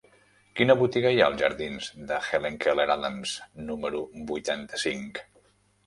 Quina botiga hi ha als jardins de Helen Keller Adams número vuitanta-cinc?